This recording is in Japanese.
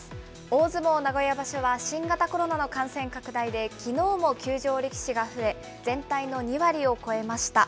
大相撲名古屋場所は、新型コロナの感染拡大で、きのうも休場力士が増え、全体の２割を超えました。